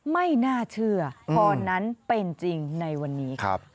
ไม่น่าเชื่อพรนั้นเป็นจริงในวันนี้ครับ